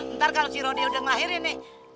ntar kalau si rodi udah ngelahirin nih